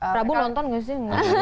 prabu nonton gak sih